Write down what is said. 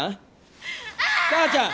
母ちゃん？